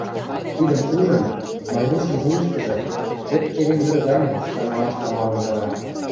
Тидӹм ужын, Майрушын вуйышкыжы «Вӹд — эдем вӹр ганьы» шанымаш тамалын пыра.